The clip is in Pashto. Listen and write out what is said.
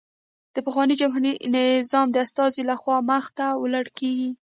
د پخواني جمهوري نظام د استازي له خوا مخته وړل کېږي